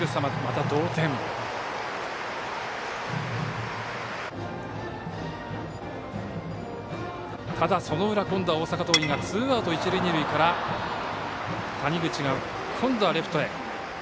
ただ、その裏、今度は大阪桐蔭がツーアウト、一塁二塁から谷口が今度はレフトへ。